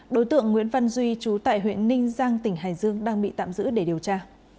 đối tượng nguyễn văn duy trú tại huyện ninh giang tỉnh hải dương đang bị tạm giữ để điều tra